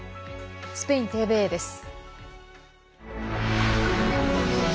スペインＴＶＥです。